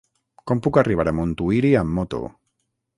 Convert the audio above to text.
Com puc arribar a Montuïri amb moto?